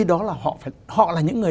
đó là họ là những người